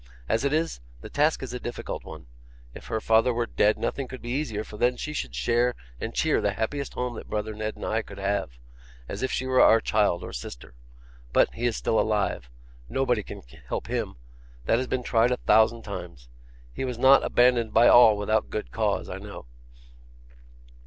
As it is, the task is a difficult one. If her father were dead, nothing could be easier, for then she should share and cheer the happiest home that brother Ned and I could have, as if she were our child or sister. But he is still alive. Nobody can help him; that has been tried a thousand times; he was not abandoned by all without good cause, I know.